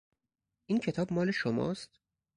این کتاب مال شماست؟